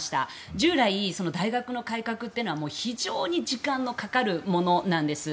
従来大学の改革というのは非常に時間のかかるものなんです。